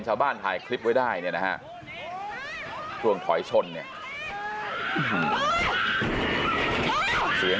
ชาวบ้านถ่ายคลิปไว้ได้เนี่ยนะฮะช่วงถอยชนเนี่ย